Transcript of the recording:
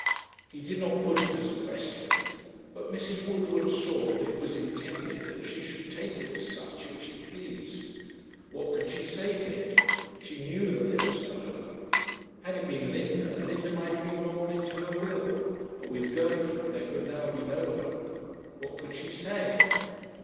He did not put it as a question; but Mrs. Woodward saw that it was intended that she should take it as such if she pleased. What could she say to him? She knew that there was no hope. Had it been Linda, Linda might have been moulded to her will. But with Gertrude there could now be no hope. What could she say?